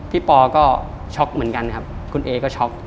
พี่ปอร์ก็ช็อกเหมือนกันครับคุณเอ๊กซ์ก็ช็อก